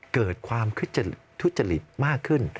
เกิดความทุจริตมากขึ้น